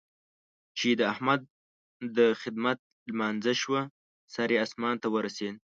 چې د احمد د خدمت لمانځه شوه؛ سر يې اسمان ته ورسېد.